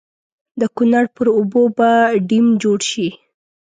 د کنړ پر اوبو به ډېم جوړ شي.